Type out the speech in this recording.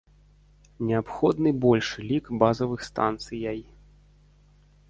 Неабходны большы лік базавых станцыяй.